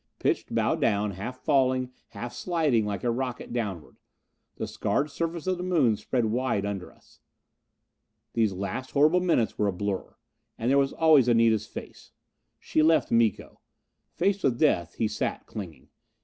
Pitched bow down, half falling, half sliding like a rocket downward. The scarred surface of the Moon spread wide under us. These last horrible minutes were a blur. And there was always Anita's face. She left Miko. Faced with death, he sat clinging.